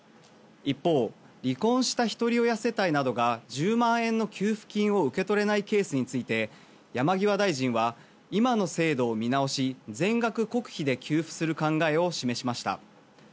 一方、離婚したひとり親世帯などが１０万円の給付金を受け取れないケースについて山際大臣は今の制度を見直し全額国費で給付する考えを示しました。